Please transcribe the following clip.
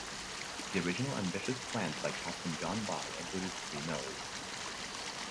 The original ambitious plans by Captain John By included three mills.